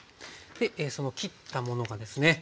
その切ったものがですね